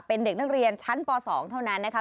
เป็นเด็กนักเรียนชั้นป๒เท่านั้นนะครับ